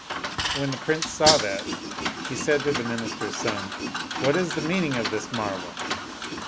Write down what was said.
When the prince saw that, he said to the minister's son, " What is the meaning of this marvel